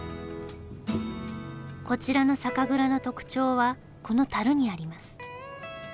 こちらの酒蔵の特徴はこの樽にあります。